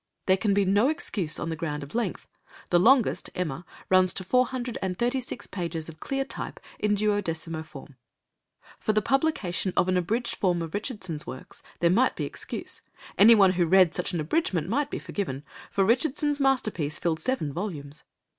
There can be no excuse on the ground of length, the longest, Emma, runs to four hundred and thirty six pages of clear type in duodecimo form. For the publication of an abridged form of Richardson's works, there might be excuse; anyone who read such an abridgement might be forgiven, for Richardson's masterpiece filled seven volumes!